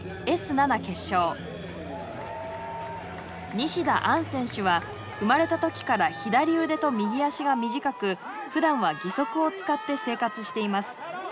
西田杏選手は生まれた時から左腕と右足が短くふだんは義足を使って生活しています。